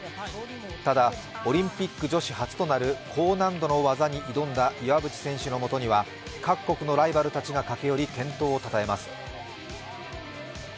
ただ、オリンピック女子初となる高難度の技に挑んだ岩渕選手のもとには各国のライバルたちがかけより、健闘をたたえます。